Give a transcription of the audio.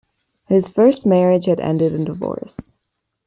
His first marriage had ended in divorce.